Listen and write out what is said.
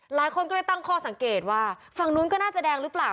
หลายคนก็เลยตั้งข้อสังเกตว่าฝั่งนู้นก็น่าจะแดงหรือเปล่า